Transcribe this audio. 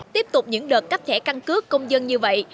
tiếp tục những đợt cấp thẻ căn cước công dân như vậy